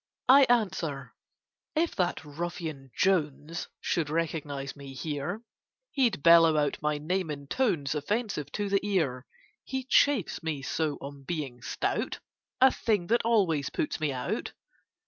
I answer "If that ruffian Jones Should recognise me here, He'd bellow out my name in tones Offensive to the ear: He chaffs me so on being stout (A thing that always puts me out)."